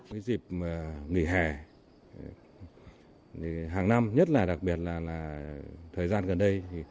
cái dịp nghỉ hè hàng năm nhất là đặc biệt là thời gian gần đây